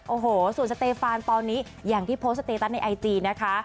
โอ้โหส่วนสเตฟานตอนนี้อย่างที่โพสต์สเตตัสในไอจีนะคะ